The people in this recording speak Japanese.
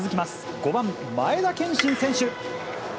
５番前田健伸選手。